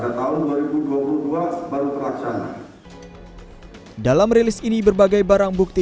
dari tahun dua ribu dua puluh dan ternyata pada tahun dua ribu dua puluh dua baru terlaksana dalam rilis ini berbagai barang bukti